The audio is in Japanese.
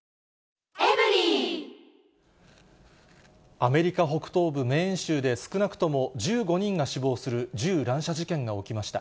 アメリカ北東部メーン州で少なくとも１５人が死亡する銃乱射事件が起きました。